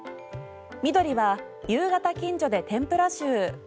緑は、夕方近所で天ぷら臭。